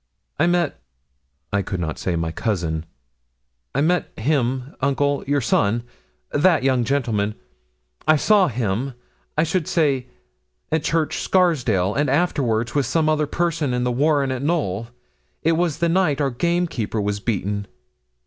'I met' I could not say my cousin 'I met him, uncle your son that young gentleman I saw him, I should say, at Church Scarsdale, and afterwards with some other persons in the warren at Knowl. It was the night our gamekeeper was beaten.'